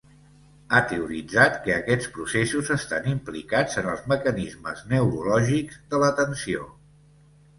Ha teoritzat que aquests processos estan implicats en els mecanismes neurològics de l'atenció.